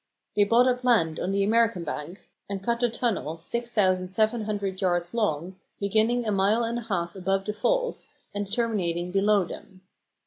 They bought up land on the American bank, and cut a tunnel 6700 yards long, beginning a mile and a half above the falls, and terminating below them.